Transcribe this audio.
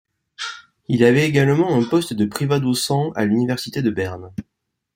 Il avait également un poste de privatdocent à l’Université de Berne.